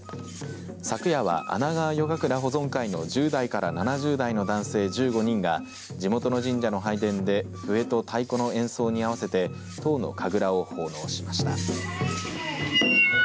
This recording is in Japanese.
昨夜は穴川夜神楽保存会の１０代から７０代の男性１５人が地元の神社の拝殿で笛と太鼓の演奏に合わせて１０の神楽を奉納しました。